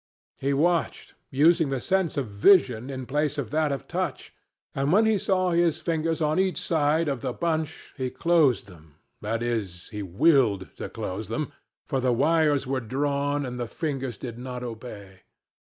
He watched, using the sense of vision in place of that of touch, and when he saw his fingers on each side the bunch, he closed them—that is, he willed to close them, for the wires were drawn, and the fingers did not obey.